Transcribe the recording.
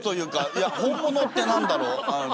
いや本物って何だろう？